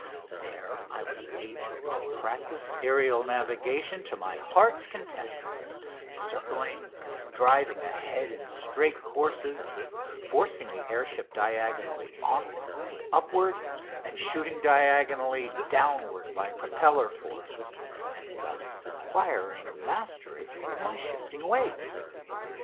There I was able to practise aerial navigation to my heart's content circling, driving ahead in straight courses, forcing the air ship diagonally onward and upward, and shooting diagonally downward, by propeller force, and thus acquiring mastery of my shifting weights.